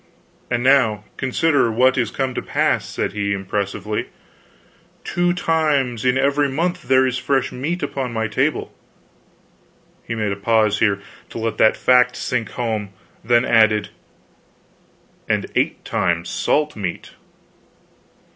"And now consider what is come to pass," said he, impressively. "Two times in every month there is fresh meat upon my table." He made a pause here, to let that fact sink home, then added "and eight times salt meat."